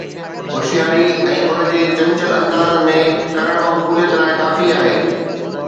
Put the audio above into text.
هوشياري ۽ ان کي چنچل انداز ۾ ڪرڻ مقبوليت لاءِ ڪافي آهي.